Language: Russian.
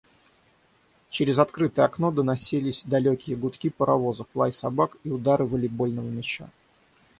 Через открытое окно доносились далекие гудки паровозов, лай собак и удары волейбольного мяча.